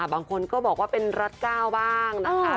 บางคนก็บอกว่าเป็นรัฐ๙บ้างนะคะ